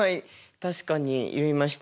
確かに言いました。